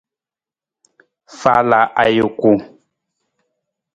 Faala ajuku.